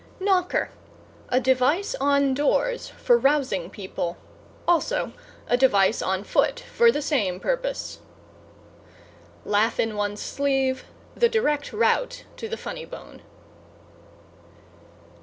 =KNOCKER= A device on doors for rousing people; also, a device on foot for the same purpose. Laugh in one's sleeve The direct route to the Funny Bone.